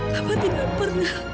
papa tidak pernah